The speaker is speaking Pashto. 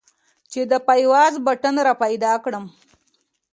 چې د فيوز بټن راپيدا کړم.